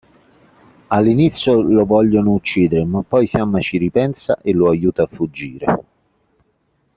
All'inizio lo vogliono uccidere ma poi Fiamma ci ripensa e lo aiuta a fuggire.